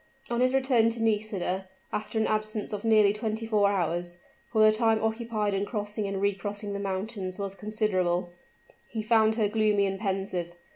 On his return to Nisida after an absence of nearly twenty four hours, for the time occupied in crossing and recrossing the mountains was considerable he found her gloomy and pensive.